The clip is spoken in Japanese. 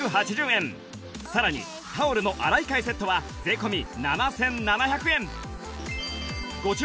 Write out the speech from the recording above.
さらにタオルの洗い替えセットは税込７７００円